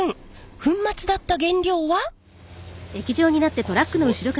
粉末だった原料は。